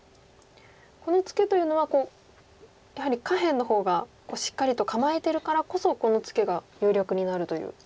このツケというのはやはり下辺の方がしっかりと構えてるからこそこのツケが有力になるという？